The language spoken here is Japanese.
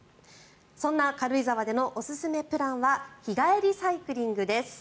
そんな軽井沢でのおすすめプランは日帰りサイクリングです。